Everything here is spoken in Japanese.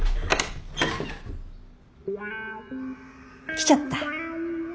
来ちゃった。